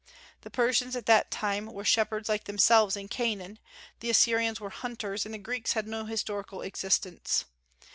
The Persians at that time were shepherds like themselves in Canaan, the Assyrians were hunters, and the Greeks had no historical existence.